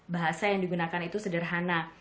bahasa yang digunakan itu sederhana